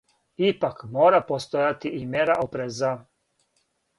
Ипак, мора постојати и мера опреза.